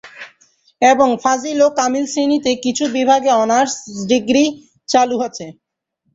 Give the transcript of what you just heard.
এবং ফাজিল ও কামিল শ্রেণীতে কিছু বিভাগে অনার্স কোর্স চালু আছে।